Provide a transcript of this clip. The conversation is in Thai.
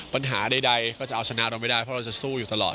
ปัญหาใดก็จะเอาชนะเราไม่ได้เพราะเราจะสู้อยู่ตลอด